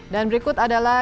dan berikut adalah